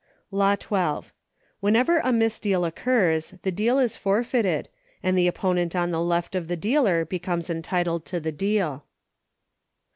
Law XII. Whenever a misdeal occurs the deal is for feited, and the opponent on the left of the dealer becomes entitled to the deal.